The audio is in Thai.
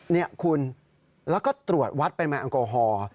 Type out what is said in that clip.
นี่คุณแล้วก็ตรวจวัดปริมาณแอลกอฮอล์